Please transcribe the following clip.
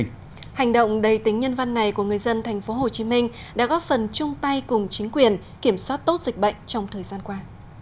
những hành động đầy tính nhân văn này của người dân tp hcm đã góp phần chung tay cùng chính quyền kiểm soát tốt dịch bệnh trong thời gian qua